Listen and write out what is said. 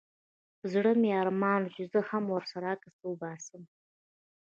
په زړه مي ارمان چي زه هم ورسره عکس وباسم